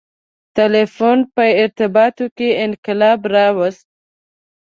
• ټیلیفون په ارتباطاتو کې انقلاب راوست.